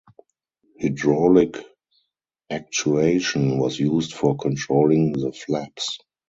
Hydraulic actuation was used for controlling the flaps.